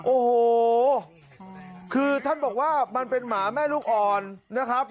โอ้โหคือท่านบอกว่ามันเป็นหมาแม่ลูกอ่อนนะครับ